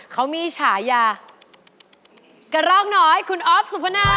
เขามีฉายากระรอกน้อยคุณอ๊อฟสุพนา